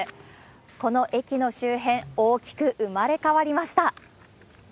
この駅の周辺、大きく生まれ変わりました。